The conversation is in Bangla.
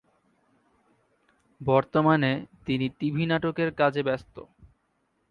বর্তমানে তিনি টিভি নাটকের কাজে ব্যস্ত।